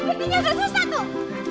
kok bentinya udah susah tuh